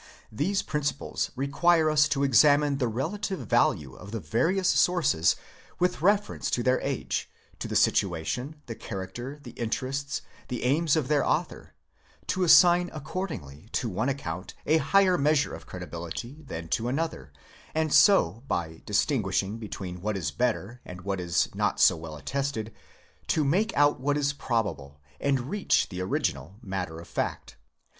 These prin ciples require us to examine the relative value of the various sources with reference to their age, to the situation, the character, the interests, and aims of their author; to assign accordingly to one account a higher measure of credibility than to another ; and so, by distinguishing between what is better and what is not so well attested, to make out what is probable and reach the original matter of fact.